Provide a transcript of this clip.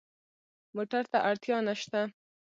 موټر ته اړتیا نه شته.